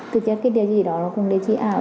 tự chất cái điều gì đó nó cũng để trị ảo